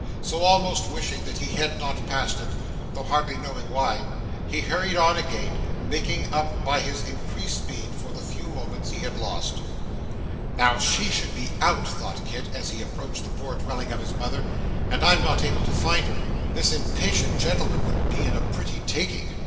So, almost wishing that he had not passed it, though hardly knowing why, he hurried on again, making up by his increased speed for the few moments he had lost. 'Now, if she should be out,' thought Kit, as he approached the poor dwelling of his mother, 'and I not able to find her, this impatient gentleman would be in a pretty taking.